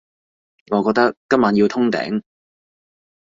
我覺得今晚要通頂